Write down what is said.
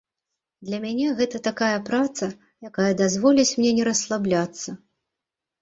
Для мяне гэта такая праца, якая дазволіць мне не расслабляцца.